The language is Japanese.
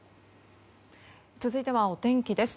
続いてはお天気です。